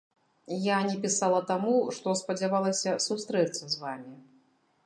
Я не пісала таму, што спадзявалася сустрэцца з вамі.